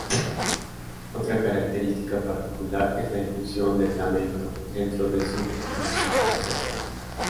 Otra característica particular es la inclusión del flamenco dentro de su musicalización.